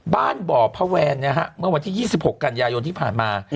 บ้านบ่อพระแวนเนี่ยฮะเมื่อวันที่๒๖กันยายนที่ผ่านมา